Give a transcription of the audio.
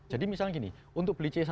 jadi misalnya gini untuk beli c satu